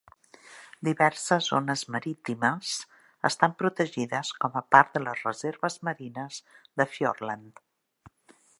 Diverses zones marítimes estan protegides com a part de les reserves marines de Fiordland.